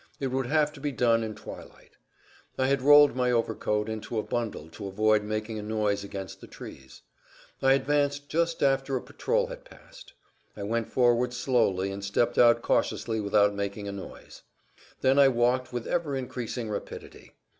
It would have to be done in twilight. I had rolled my overcoat into a bundle to avoid making a noise against the trees. I advanced just after a patrol had passed. I went forward slowly and stepped out cautiously without making a noise. Then I walked with ever increasing rapidity.